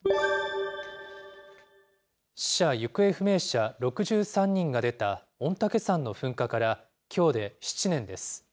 死者・行方不明者６３人が出た御嶽山の噴火からきょうで７年です。